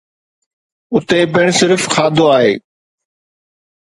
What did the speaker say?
اتي پڻ صرف کاڌو آهي.